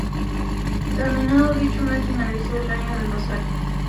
Terminado dicho mes finalizó el año del rosario.